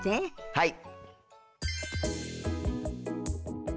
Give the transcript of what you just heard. はい。